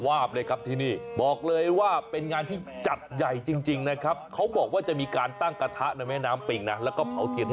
ไฮไลท์นี่บอกเลยก็สว่างว่าเหมือนกัน